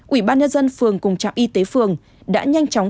ủy ban nhân dân phường cùng trạm y tế phường đã nhanh chóng